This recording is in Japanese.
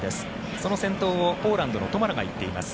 その先頭をポーランドのトマラが行っています。